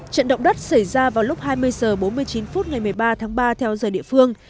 trận động đất xảy ra vào lúc hai mươi h bốn mươi chín phút ngày một mươi ba tháng ba theo giờ địa phương